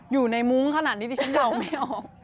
อยู่ในมุ้งขนาดนี้ที่ฉันเดาไม่ออก